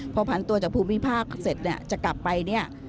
พอผันตัวจากภูมิภาคเสร็จจะกลับไป